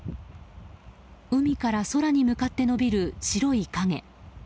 海から空に向かって延びる白い影。